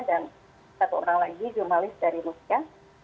dan satu orang lagi jurnalis dari rusia